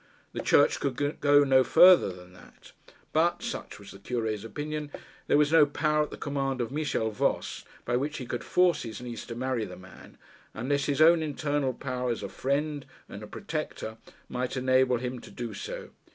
The Church could go no farther than that. But such was the Cure's opinion there was no power at the command of Michel Voss by which he could force his niece to marry the man, unless his own internal power as a friend and a protector might enable him to do so.